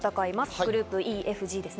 グループＥ、Ｆ、Ｇです。